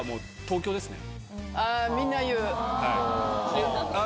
あみんな言う。